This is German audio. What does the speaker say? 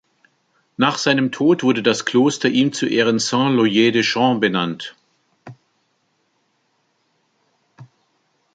Nach seinem Tod wurde das Kloster ihm zu Ehren "Saint-Loyer-des-Champs" benannt.